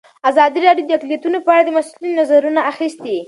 ازادي راډیو د اقلیتونه په اړه د مسؤلینو نظرونه اخیستي.